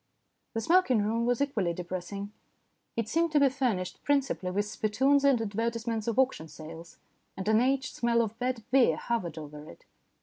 The smoking room was equally depressing. It seemed to be furnished principally with spittoons and advertisements of auction sales, and an aged smell of bad beer hovered over it.